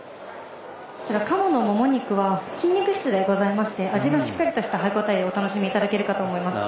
こちら鴨のモモ肉は筋肉質でございまして味がしっかりとした歯応えをお楽しみ頂けるかと思います。